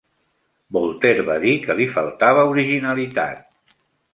Voltaire va dir que li faltava originalitat.